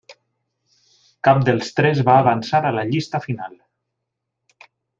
Cap dels tres va avançar a la llista final.